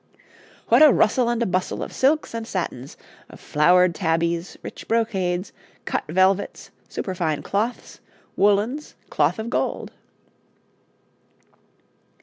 What a rustle and a bustle of silks and satins, of flowered tabbies, rich brocades, cut velvets, superfine cloths, woollens, cloth of gold!